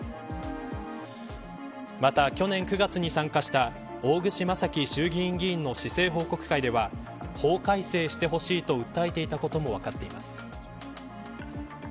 また、去年９月に参加した大串正樹衆議院議員の市政報告会では法改正してほしいと訴えていたことも分かっています。